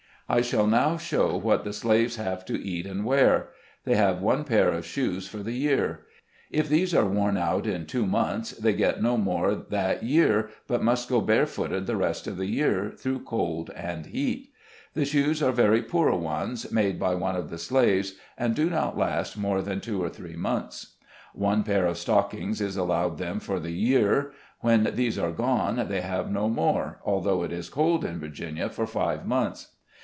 I shall now show what the slaves have to eat and wear. They have one pair of shoes for the year; if these are worn out in two months, they get no more that year, but must go barefooted the rest of the year, through cold and heat. The shoes are very poor ones, made by one of the slaves, and do not last more than two or three months. One pair of stockings is allowed them for the year; when these are gone, they have no more, although it is cold in Virginia for five months.